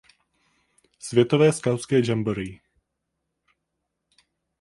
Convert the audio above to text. Světové skautské jamboree.